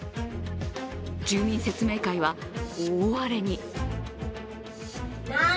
住民説明会は大荒れに。